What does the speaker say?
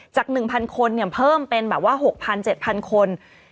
จาก๑๐๐คนเพิ่มเป็นแบบว่า๖๐๐๗๐๐คน